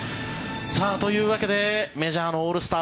というわけでメジャーのオールスター